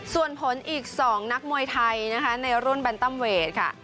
ส่วนผลอีก๒นักมวยไทยนะคะในรุ่นแนนตัมเวทค่ะ